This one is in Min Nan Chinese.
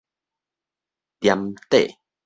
沉底